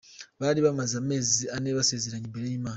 Bari bamaze amezi ane basezeranye imbere y'Imana.